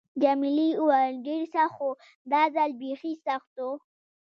جميلې وويل:: ډېر سخت و، دا ځل بیخي سخت و.